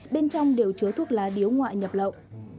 bên trong đều chứa thuốc lá điếu ngoại nhập lậu